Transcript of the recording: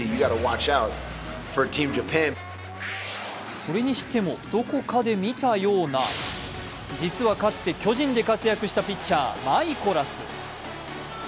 それにしてもどこかで見たような実は、かつて巨人で活躍したピッチャー・マイコラス。